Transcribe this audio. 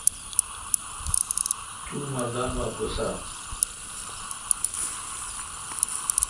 تو مردان وا گوسہ اؘ